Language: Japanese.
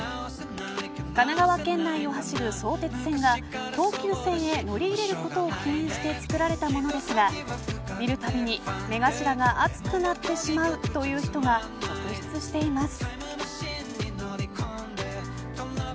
神奈川県内を走る相鉄線が東急線へ乗り入れることを記念してつくられたものですが見るたびに、目頭が熱くなってしまうという人が続出しています。